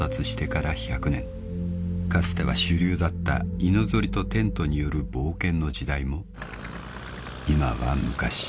［かつては主流だった犬ぞりとテントによる冒険の時代も今は昔］